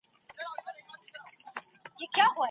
په وزارتونو کي باید مسلکي کسان په دندو وګمارل سي.